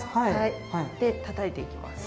で、たたいていきます。